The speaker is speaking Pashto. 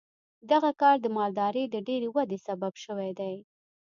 دغه کار د مالدارۍ د ډېرې ودې سبب شوی دی.